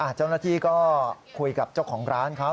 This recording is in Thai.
เจ้าหน้าที่ก็คุยกับเจ้าของร้านเขา